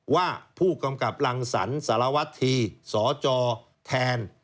ว่าผู้กำกับรังศรรวรรษฐีสจแทน